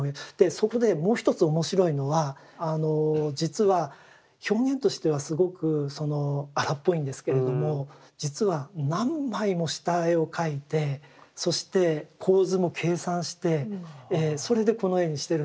そこでもう一つ面白いのは実は表現としてはすごく荒っぽいんですけれども実は何枚も下絵を描いてそして構図も計算してそれでこの絵にしてるんですね。